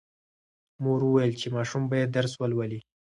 مور وویل چې ماشوم باید درس ولولي.